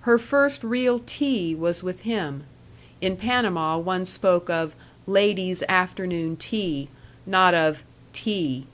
Her first real tea was with him in Panama one spoke of "ladies' afternoon tea," not of "tea."